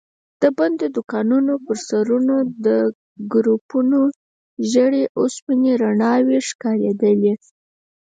د بندو دوکانونو پر سرونو د ګروپونو ژېړې او سپينې رڼا وي ښکارېدلې.